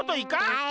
はい。